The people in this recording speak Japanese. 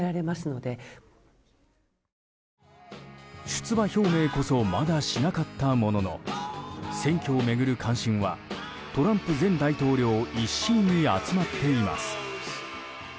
出馬表明こそまだしなかったものの選挙を巡る関心はトランプ前大統領一身に集まっています。